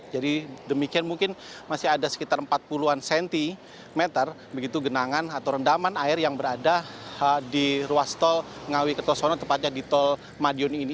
jadi demikian mungkin masih ada sekitar empat puluh an cm begitu genangan atau rendaman air yang berada di ruas tol ngawi kertosono tepatnya di tol madiun ini